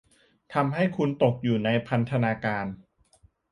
ทำให้คุณตกอยู่ในพันธนาการ